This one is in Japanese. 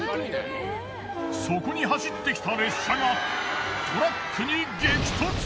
そこに走ってきた列車がトラックに激突。